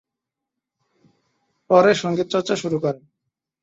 পরে সঙ্গীত চর্চা শুরু করেন।